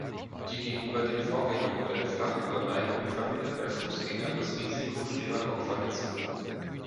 Die gegenüber dem Vorgängermodell flachere Neigung vermindert bei Fußgängern das Risiko schwerer Kopfverletzungen.